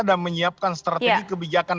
dan menyiapkan strategi kebijakan